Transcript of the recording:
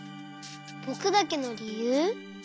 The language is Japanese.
ぼくだけのりゆう？